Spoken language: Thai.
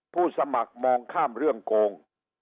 สมัครมองข้ามเรื่องโกง